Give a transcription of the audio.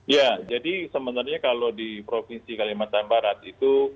ya jadi sebenarnya kalau di provinsi kalimantan barat itu